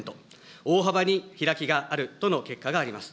大幅に開きがあるとの結果があります。